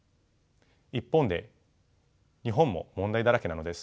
一方で日本も問題だらけなのです。